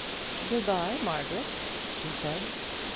"Good bye, Margaret," she said.